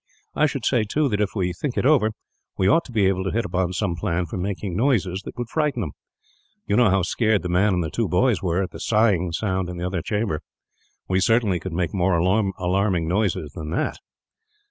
I should say, too, that if we think it over, we ought to be able to hit upon some plan for making noises that would frighten them. You know how scared the man and the two boys were, at that sighing sound in the other chamber. We certainly could make more alarming noises than that."